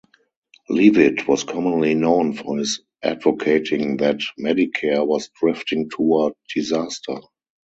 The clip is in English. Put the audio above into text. Leavitt was commonly known for his advocating that Medicare was drifting toward disaster.